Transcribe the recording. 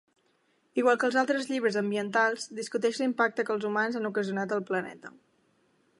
Igual que altres llibres ambientals, discuteix l'impacte que els humans han ocasionat al planeta.